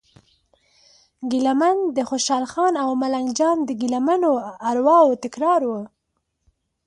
ګیله من د خوشال خان او ملنګ جان د ګیله منو ارواوو تکرار و.